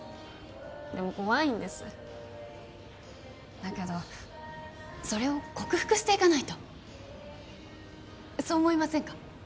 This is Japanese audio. でも怖いんですだけどそれを克服していかないとそう思いませんか？